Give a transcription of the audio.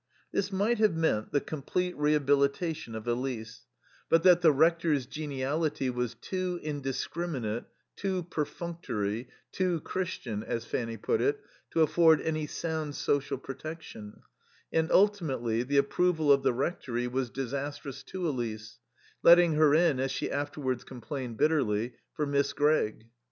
This might have meant the complete rehabilitation of Elise, but that the Rector's geniality was too indiscriminate, too perfunctory, too Christian, as Fanny put it, to afford any sound social protection; and, ultimately, the approval of the rectory was disastrous to Elise, letting her in, as she afterwards complained bitterly, for Miss Gregg.